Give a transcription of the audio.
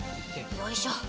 よいしょ。